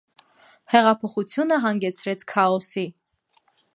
Հեղափոխությունը հանգեցրեց քաոսի։